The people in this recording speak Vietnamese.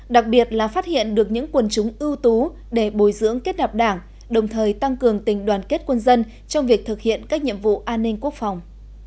đặc biệt là phát hiện được những quần chúng ưu tú để bồi dưỡng kết nạp đảng đồng thời tăng cường tình đoàn kết quân dân trong việc thực hiện các nhiệm vụ an ninh quốc phòng